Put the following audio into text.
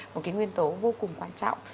cái nguyên tố vô cùng quan trọng